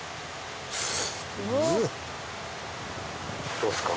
どうですか？